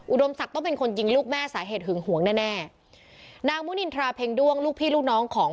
ดมศักดิ์ต้องเป็นคนยิงลูกแม่สาเหตุหึงหวงแน่แน่นางมุนินทราเพ็งด้วงลูกพี่ลูกน้องของ